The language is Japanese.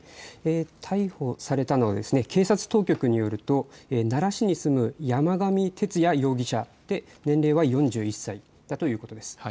逮捕されたのが警察当局によると奈良市に住む山上徹也容疑者、年齢は４１歳だということです。